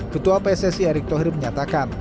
ketua pssi erick thohir menyatakan